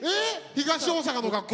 東大阪の学校。